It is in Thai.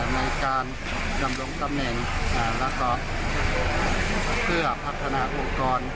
ในการดำรงตำแหน่งแล้วก็เพื่อพัฒนาองค์กร